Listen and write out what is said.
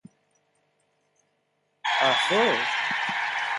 Asolo.